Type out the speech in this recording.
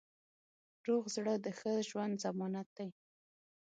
روغ زړه د ښه ژوند ضمانت دی.